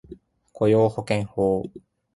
雇用保険法